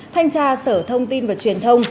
thanh tra sở thông tin và truyền thông